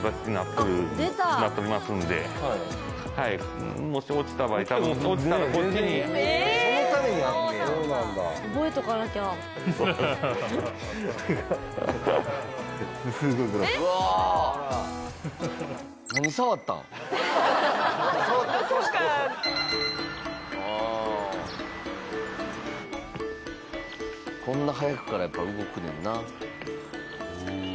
こんな早くからやっぱ動くねんな。